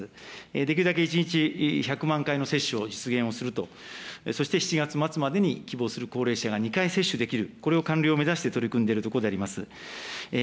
できるだけ１日１００万回の接種を実現をすると、そして７月末までに希望する高齢者が２回接種できる、これを完了を目指して取り組んでいるところであります。